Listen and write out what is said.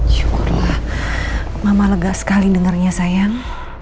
syukurlah mama lega sekali dengernya sayang